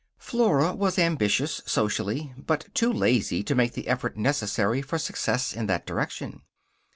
Flora was ambitious, socially, but too lazy to make the effort necessary for success in that direction.